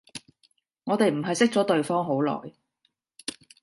我哋唔係識咗對方好耐